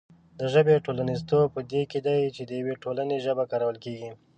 د ژبې ټولنیزتوب په دې کې دی چې د یوې ټولنې ژبه کارول کېږي.